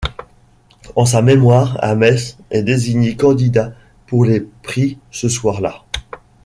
En sa mémoire Ames est désignée candidat pour les prix ce soir-là.